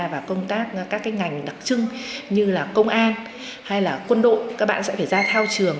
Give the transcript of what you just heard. và công tác các ngành đặc trưng như là công an hay là quân đội các bạn sẽ phải ra thao trường